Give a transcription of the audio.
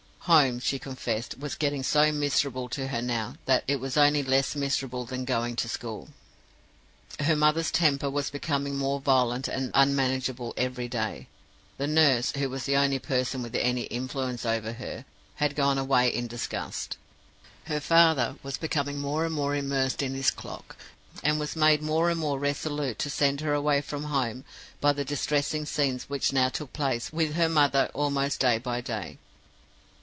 Home, she confessed, was getting so miserable to her now that it was only less miserable than going to school. Her mother's temper was becoming more violent and unmanageable every day. The nurse, who was the only person with any influence over her, had gone away in disgust. Her father was becoming more and more immersed in his clock, and was made more and more resolute to send her away from home by the distressing scenes which now took place with her mother almost day by day.